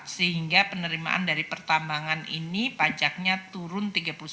sehingga penerimaan dari pertambangan ini pajaknya turun tiga puluh sembilan